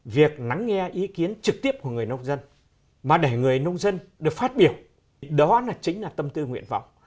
việc lắng nghe ý kiến trực tiếp của người nông dân mà để người nông dân được phát biểu đó chính là tâm tư nguyện vọng